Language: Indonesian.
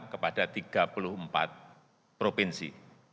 mulai hari ini disalurkan kepada tiga puluh empat provinsi